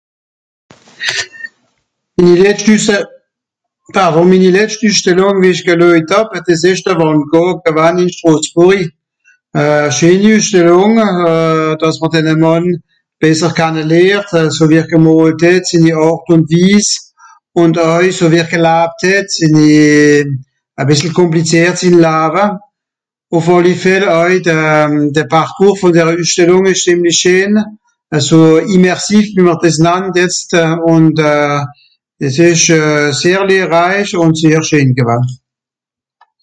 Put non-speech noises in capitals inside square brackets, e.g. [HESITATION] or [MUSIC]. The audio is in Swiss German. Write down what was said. Minni letscht üsse... pardon minni letscht üsstellung, wie ich geluejt hàb, bah dìs ìsch de Van Gogh gewann ìn Strosburri. [HESITATION] scheeni üssstellung [HESITATION] dàss mr denne mànn besser kanne lehrt, sowie er gemolt het, sinni àrt ùn wiss, und àui sowie er gelabt het, sinni... e bìssel komplìert sinn lawe. Uff àlli fell àui de... de parcours vùn dere üssstellung ìsch zìemlisch scheen, eso immersif wie mr dìs nannt jetzt und, [HESITATION] dìs ìsch sehr lehrreich un sehr scheen gewann.